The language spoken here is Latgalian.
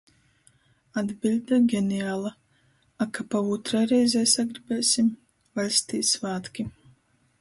Atbiļde geniala: - A ka pa ūtrai reizei sagribēsim? Vaļstī svātki!